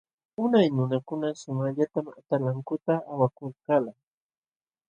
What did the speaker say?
Unay nunakuna sumaqllatam atalankunata awakulkalqa.